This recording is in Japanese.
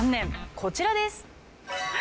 こちらです！